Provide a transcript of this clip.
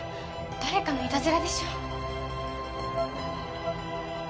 誰かのいたずらでしょ？